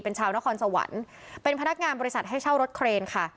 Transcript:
เป็นชาวนครสวรรค์เป็นพนักงานบริษัทให้เช่ารถเครนค่ะ